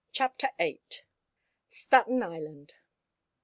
CHAPTER VIII. STATEN ISLAND.